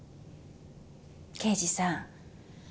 刑事さん